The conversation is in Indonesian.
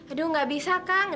aduh gak bisa kang